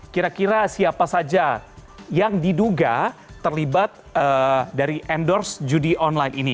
kira kira siapa saja yang diduga terlibat dari endorse judi online ini